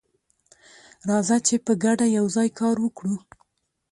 راځه چې په ګډه یوځای کار وکړو.